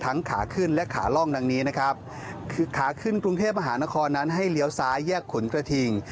ขาขึ้นและขาล่องดังนี้นะครับขาขึ้นกรุงเทพมหานครนั้นให้เลี้ยวซ้ายแยกขุนกระทิง